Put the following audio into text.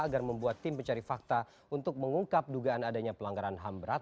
agar membuat tim pencari fakta untuk mengungkap dugaan adanya pelanggaran ham berat